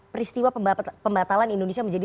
peristiwa pembatalan indonesia menjadi